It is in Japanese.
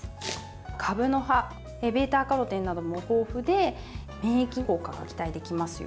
かぶの葉β‐カロテンなども豊富で免疫効果が期待できますよ。